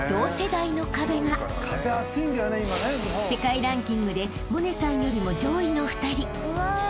［世界ランキングで百音さんよりも上位の２人］